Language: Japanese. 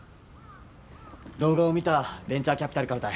動画を見たベンチャーキャピタルからたい。